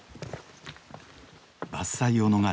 伐採を逃れ